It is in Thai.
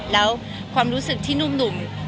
แล้วความรู้สึกที่หนุ่ม